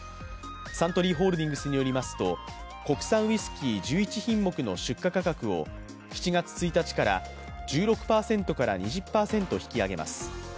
サントリーホールディングスによりますと国産ウイスキー１１品目の出荷価格を７月１日から１６％から２０％引き上げます。